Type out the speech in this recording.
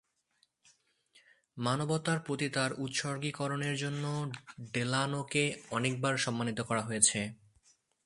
মানবতার প্রতি তার উৎসর্গীকরণের জন্য ডেলানোকে অনেকবার সম্মানিত করা হয়েছে।